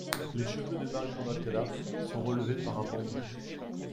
Les cheveux de Marie de Magdala sont relevés par un bandeau.